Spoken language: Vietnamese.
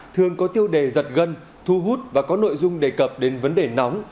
thường có tiêu đề giật gân thu hút và có nội dung đề cập đến vấn đề nóng